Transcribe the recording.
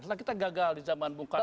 karena kita gagal di zaman bung karno